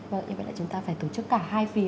vậy là chúng ta phải tổ chức cả hai phía